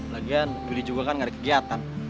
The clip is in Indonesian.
lagian beli juga kan gak ada kegiatan